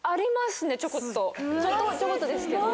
ちょこっとちょこっとですけど。